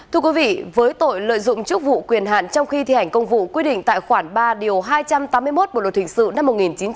thưa quý vị với tội lợi dụng chức vụ quyền hạn trong khi thi hành công vụ quy định tại khoản ba hai trăm tám mươi một bộ luật thuyền sự năm một nghìn chín trăm chín mươi chín